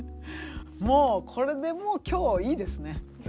もうこれでもう今日いいですね。